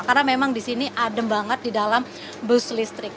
karena memang di sini adem banget di dalam bus listrik